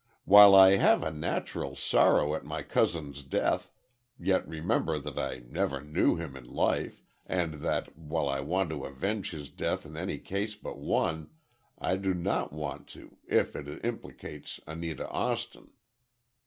While I have a natural sorrow at my cousin's death, yet remember that I never knew him in life, and that, while I want to avenge his death in any case but one, I do not want to if it implicates Anita Austin."